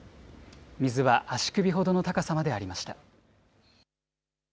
水は足首ほどの高さまでありました。